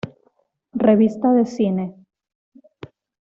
Revista de cine